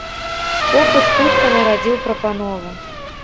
Попыт хутка нарадзіў прапанову.